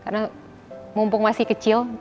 karena mumpung masih kecil